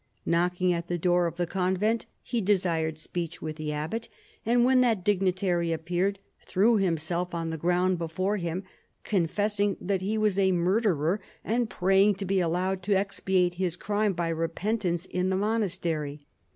Knocking at the door of the con vent he desired speech with tlie abbot, and when that dignitary appeared, threw himself on the ground be fore him, confessing that he was a murderer and praying to be allowed to expiate his crime by repent ance in the monastery.